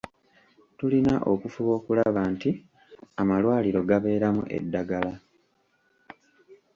Tulina okufuba okulaba nti amalwaliro gabeeramu eddagala.